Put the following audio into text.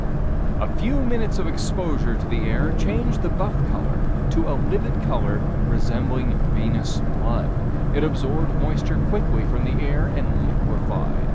A few minutes of exposure to the air changed the buff color to "a livid color resembling venous blood." It absorbed moisture quickly from the air and liquefied.